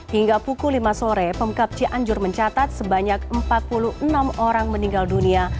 hingga pukul lima sore pemkap cianjur mencatat sebanyak empat puluh enam orang meninggal dunia